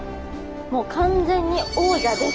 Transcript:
もう完全に王者です！